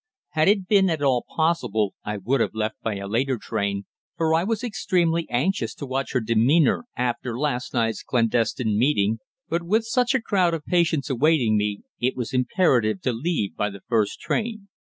Had it been at all possible I would have left by a later train, for I was extremely anxious to watch her demeanour after last night's clandestine meeting, but with such a crowd of patients awaiting me it was imperative to leave by the first train.